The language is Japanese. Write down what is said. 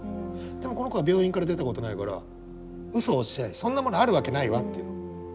でもこの子は病院から出た事ないから「うそおっしゃいそんなものある訳ないわ」って言うの。